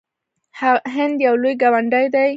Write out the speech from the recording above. هند یو لوی ګاونډی دی.